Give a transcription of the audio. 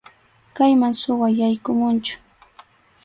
Kayman suwa yaykumunchu.